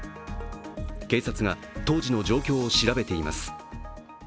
警察が当時の状況を調べています。